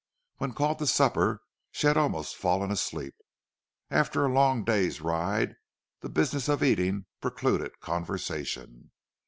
When called to supper she had almost fallen asleep. After a long day's ride the business of eating precluded conversation.